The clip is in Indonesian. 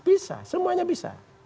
bisa semuanya bisa